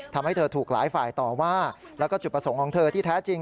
ทำให้เธอถูกหลายฝ่ายต่อว่าแล้วก็จุดประสงค์ของเธอที่แท้จริง